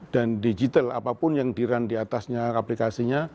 dan digital apapun yang dirun di atasnya aplikasinya